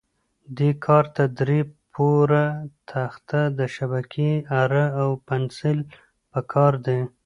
دې کار ته درې پوره تخته، د شبکې اره او پنسل په کار دي.